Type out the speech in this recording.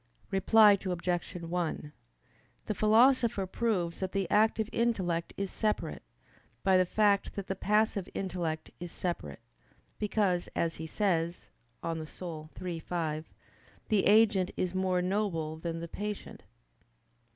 Reply Obj. 1: The Philosopher proves that the active intellect is separate, by the fact that the passive intellect is separate: because, as he says (De Anima iii, 5), "the agent is more noble than the patient."